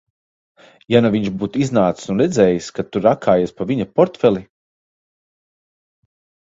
Ja nu viņš būtu iznācis un redzējis, ka tu rakājies pa viņa portfeli?